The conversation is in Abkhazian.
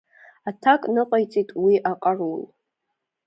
Аҭак ныҟаиҵеит уи аҟарул.